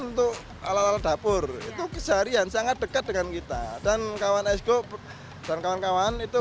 untuk alat alat dapur itu keseharian sangat dekat dengan kita dan kawan esgo dan kawan kawan itu